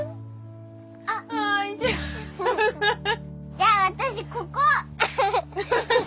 じゃあ私ここ！